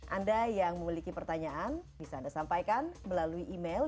anda yang memiliki pertanyaan bisa anda sampaikan melalui email